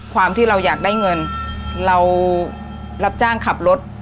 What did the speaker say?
ความที่เราอยากได้เงินเรารับจ้างขับรถ